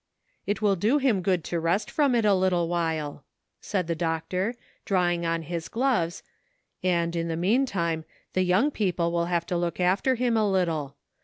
'' It will do him good to rest from it a little while,'* said the doctor, drawing on his gloves, *'and in the meantime the young people will have to look after him a little.